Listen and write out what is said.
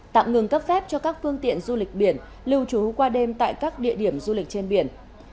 tạm ngừng cấp phép cho các phương tiện du lịch biển lưu trú qua đêm tại các địa điểm du lịch trên biển